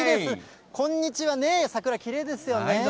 こんにちは、ねぇ、桜きれいですよね。